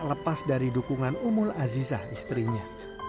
lepas dari dukungan umul azizah istrinya